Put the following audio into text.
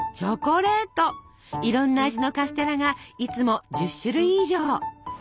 いろんな味のカステラがいつも１０種類以上。